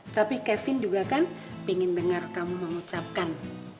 tapi kevin juga kan ingin dengar kamu mengucapkan